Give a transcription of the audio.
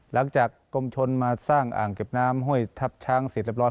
หลังจากกรมชนมาสร้างอ่างเก็บน้ำห้วยทัพช้างเสร็จเรียบร้อ